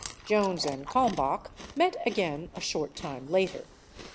J ones and Kalmbach met again a short time later.